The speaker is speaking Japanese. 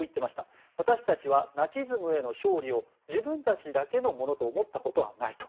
私たちはナチズムへの勝利を自分たちだけのものと思ったことはないと。